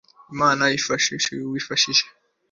imana ifasha uwifashije